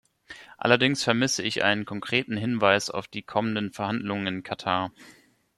Allerdings vermisse ich einen konkreten Hinweis auf die kommenden Verhandlungen in Katar.